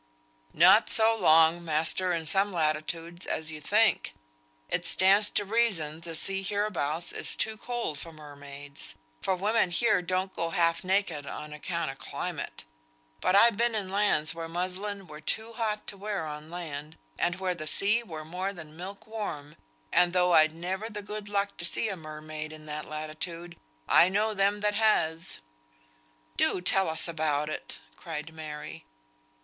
"Not so long, master, in some latitudes, as you think. It stands to reason th' sea hereabouts is too cold for mermaids; for women here don't go half naked on account o' climate. But I've been in lands where muslin were too hot to wear on land, and where the sea were more than milk warm; and though I'd never the good luck to see a mermaid in that latitude, I know them that has." "Do tell us about it," cried Mary.